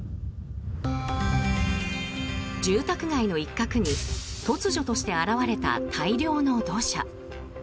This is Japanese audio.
住宅街の一角に突如として現れた大量の土砂。